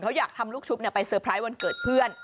เขาอยากทำลูกชุบไปเตอร์ไพรส์วันเกิดเพื่อน